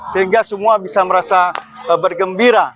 sehingga semua bisa merasa bergembira